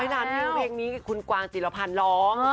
อย่างนั้นเพลงนี้คุณกวางจิตรภัณฑ์ร้อง